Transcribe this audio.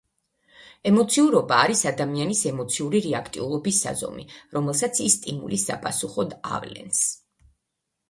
ემოციურობა არის ადამიანის ემოციური რეაქტიულობის საზომი, რომელსაც ის სტიმულის საპასუხოდ ავლენს.